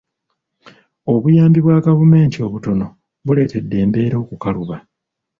Obuyambi bwa gavumenti obutono buleetedde embeera okukaluba.